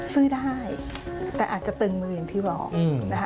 ซื้อได้แต่อาจจะเติ่งเมืองอย่างที่บอก